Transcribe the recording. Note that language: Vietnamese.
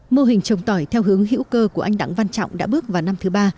mô hình trồng tỏi theo hướng hữu cơ của anh đặng văn trọng đã bước vào năm thứ ba